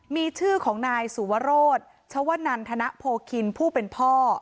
มีชื่อของนายสุวรสชวนันธนโพคินผู้เป็นพ่อ